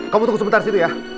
kamu tunggu sebentar situ ya